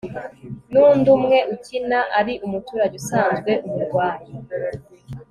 n'undi umwe ukina ari umuturage usanzwe umurwayi